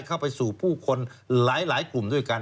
เข้าไปสู่ผู้คนหลายกลุ่มด้วยกัน